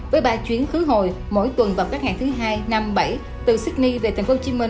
với ba chuyến khứ hồi mỗi tuần vào các ngày thứ hai năm bảy từ sydney về tp hcm